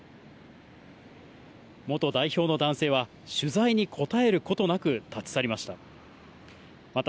元代表の男性は、取材に応えることなく、立ち去りました。